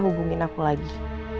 hubungin aku lagi